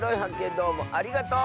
どうもありがとう！